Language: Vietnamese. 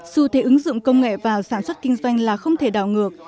xu thế ứng dụng công nghệ vào sản xuất kinh doanh là không thể đảo ngược